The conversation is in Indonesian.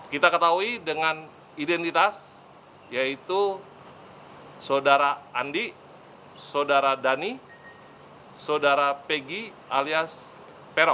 kita ketahui dengan identitas yaitu saudara andi saudara dhani saudara pegi alias peron